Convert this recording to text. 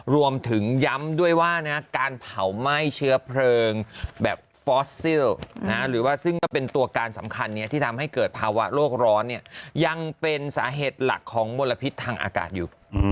รวมถึงย้ำด้วยว่าการเผาไหม้เชื้อเพลิงแบบฟอสซิลหรือว่าซึ่งก็เป็นตัวการสำคัญที่ทำให้เกิดภาวะโลกร้อนยังเป็นสาเหตุหลักของมลพิษทางอากาศอยู่